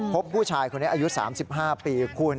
พบผู้ชายคนนี้อายุ๓๕ปีคุณ